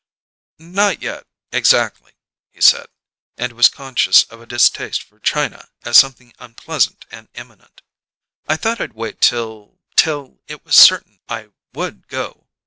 "Not yet exactly," he said, and was conscious of a distaste for China as something unpleasant and imminent. "I thought I'd wait till till it was certain I would go."